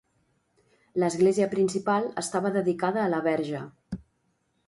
L'església principal estava dedicada a la Verge.